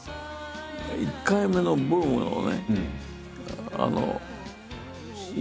１回目のブームのね